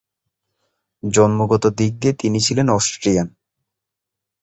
জন্মগত দিক দিয়ে তিনি ছিলেন অস্ট্রিয়ান।